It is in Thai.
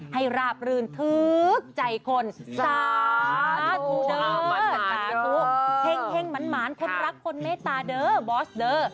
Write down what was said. ให้ราบลืนทึกใจคนสาธุเท้งเท้งมันหมานคนรักคนเมตตาเบอร์สเด้อ